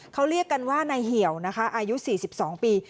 เขาเรียกกันว่านายเหี่ยวนะคะอายุสิบสิบสองปี